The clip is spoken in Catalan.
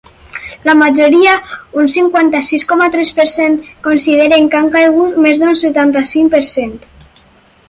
La majoria, un cinquanta-sis coma tres per cent, consideren que han caigut més d’un setanta-cinc per cent.